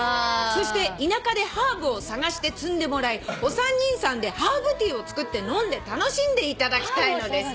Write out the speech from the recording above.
「そして田舎でハーブを探して摘んでもらいお三人さんでハーブティーを作って飲んで楽しんでいただきたいのです」